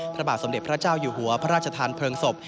พระบาทสมเด็จพระเจ้าอยู่หัวพระราชทานเพลิงศพ